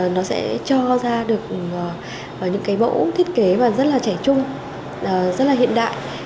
nó sẽ cho ra được những mẫu thiết kế rất trẻ trung rất hiện đại